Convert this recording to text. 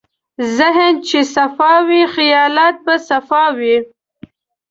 ذهن چې صفا وي، خیالات به صفا وي.